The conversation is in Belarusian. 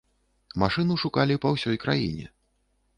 Машыну шукалі па ўсёй краіне.